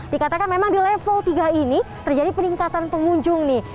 dikatakan memang di level tiga ini terjadi peningkatan pengunjung nih